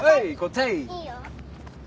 いいよ。